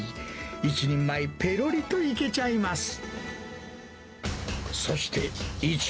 １人前、ぺろりといけちゃいます。